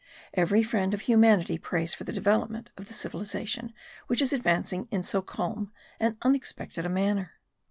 Every friend of humanity prays for the development of the civilization which is advancing in so calm and unexpected a manner.